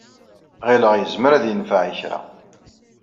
Ɣileɣ yezmer ad yenfeɛ i kra.